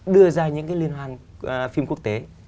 đưa ra những liên hoàn phim quốc tế